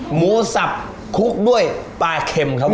หมูสับคลุกด้วยปลาเข็มครับผม